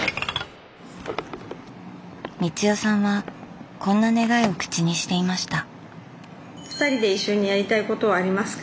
光代さんはこんな願いを口にしていました。